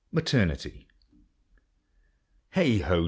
MATERNITY. Heigh ho